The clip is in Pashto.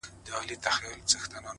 • خدای ته آساني پرې کړي غاړي ,